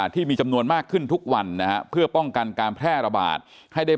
ที่มีจำนวนมากขึ้นทุกวันนะฮะเพื่อป้องกันการแพร่ระบาดให้ได้